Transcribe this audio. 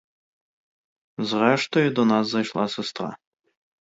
Зрештою до нас зайшла сестра.